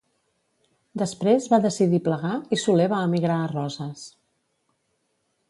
Després va decidir plegar i Soler va emigrar a Roses.